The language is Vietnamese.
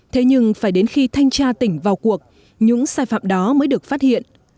thế nhưng phải đến khi thanh tra tỉnh vào cuộc những sai phạm đó mới được phát hiện